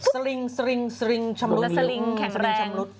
สลิงสลิงสลิงแข็งแรงสลิงชำรุด